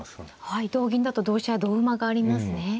はい同銀だと同飛車や同馬がありますね。